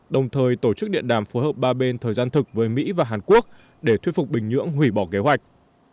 đồng thời tổ chức điện đàm phối hợp ba bên thời gian thực với mỹ và hàn quốc để thuyết phục bình nhưỡng hủy bỏ kế hoạch